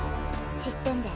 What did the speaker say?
知ってんで。